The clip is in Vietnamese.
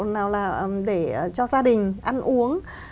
nào là để cho gia đình ăn uống